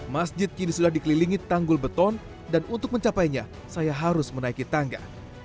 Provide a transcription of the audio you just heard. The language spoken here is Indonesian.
masjid kini sudah dikelilingi tanggul beton dan untuk mencapainya saya harus menaiki tangga